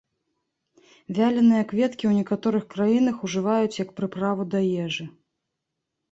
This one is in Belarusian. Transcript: Вяленыя кветкі ў некаторых краінах ужываюць як прыправу да ежы.